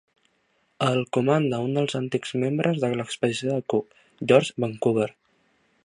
El comanda un dels antics membres de l'expedició de Cook, George Vancouver.